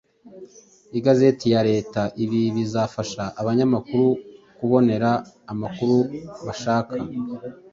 igazeti ya Leta. Ibi bizafasha abanyamakuru kubonera amakuru bashaka